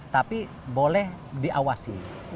tapi boleh diawasi